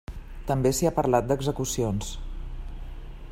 També s'hi ha parlat d'execucions.